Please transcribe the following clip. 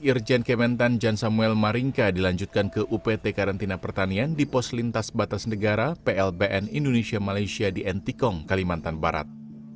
irjen kementan jan samuel maringka dilanjutkan ke upt karantina pertanian di pos lintas batas negara plbn indonesia malaysia di ntkong kalimantan barat